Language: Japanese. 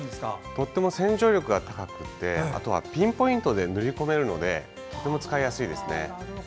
とても洗浄力が高くてあとはピンポイントで塗り込めるので使いやすいです。